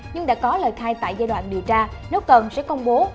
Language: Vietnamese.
nhưng đã có lời khai tại giai đoạn điều tra nếu cần sẽ công bố